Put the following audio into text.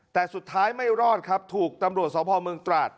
แต่สุดท้ายไม่รอดครับถูกตำรวจสพเมืองตราด